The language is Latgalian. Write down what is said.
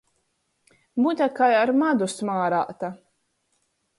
Mute kai ar madu smārāta!